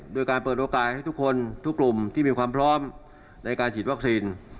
โดยการเปิดโอกาสให้ทุกคนทุกกลุ่มที่มีความพร้อมในการฉีดวัคซีน